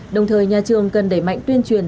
đồng thời nhà trường cần đẩy mạnh tuyên truyền